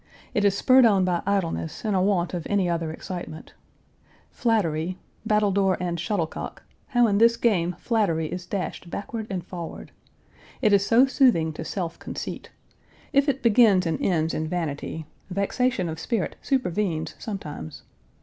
It is spurred on by idleness and a want of any other excitement. Flattery, battledore and shuttlecock, how in this game flattery is dashed backward and forward. It is so soothing to self conceit. If it begins and ends in vanity, vexation of spirit supervenes sometimes.